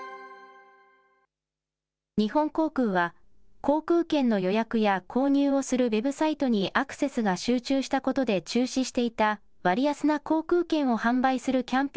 日本航空は、航空券の予約や、購入をするウェブサイトにアクセスが集中したことで中止していた、割安な航空券を販売するキャンペ